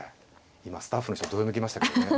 今スタッフの人どよめきましたけどね。